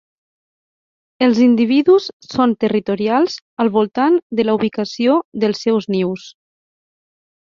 Els individus són territorials al voltant de la ubicació dels seus nius.